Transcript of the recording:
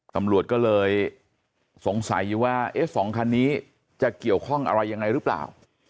ตำรวจก็เลยสงสัยอยู่ว่า๒คันนี้จะเกี่ยวข้องอะไรยังไงหรือเปล่า